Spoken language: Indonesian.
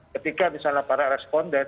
ketika misalnya para responden